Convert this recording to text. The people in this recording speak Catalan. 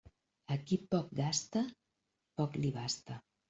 A qui poc gasta, poc li basta.